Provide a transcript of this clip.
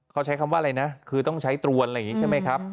เขาใช้คำว่าอะไรนะคือต้องใช้ตรวนอะไรอย่างนี้ใช่ไหมครับ